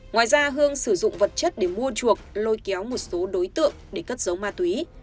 ngoài ra hương sử dụng vật chất để mua chuộc lôi kéo một số đối tượng để cất giấu ma túy